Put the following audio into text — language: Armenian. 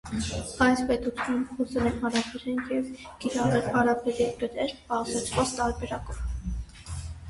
Այս պետություններում խոսել են արաբերեն և կիրառել արաբական գրի պարզեցված տարբերակները։